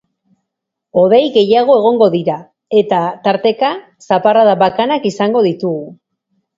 Hodei gehiago egongo dira, eta, tarteka, zaparrada bakanak izango ditugu.